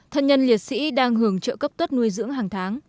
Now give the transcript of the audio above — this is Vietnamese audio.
thân nhân liệt sĩ đang hưởng trợ cấp tuất nuôi dưỡng hàng tháng